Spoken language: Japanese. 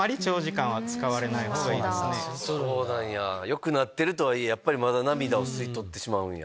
よくなってるとはいえまだ涙を吸い取ってしまうんや。